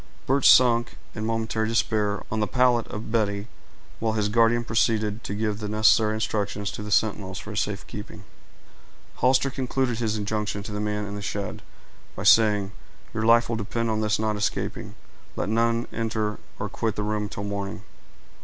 Birch sank, in momentary despair, on the pallet of Betty, while his guardian proceeded to give the necessary instructions to the sentinels for his safe keeping. Hollister concluded his injunctions to the man in the shed, by saying, "Your life will depend on his not escaping. Let none enter or quit the room till morning."